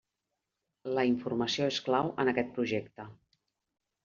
La informació és clau en aquest projecte.